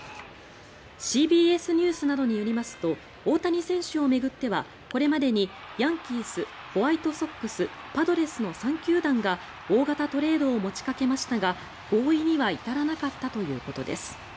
ＣＢＳニュースなどによりますと大谷選手を巡ってはこれまでにヤンキースホワイトソックスパドレスの３球団が大型トレードを持ちかけましたが合意には至らなかったということです。